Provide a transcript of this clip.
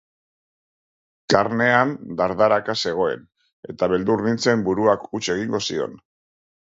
Carnehan dardaraka zegoen, eta beldur nintzen buruak huts egingo zion.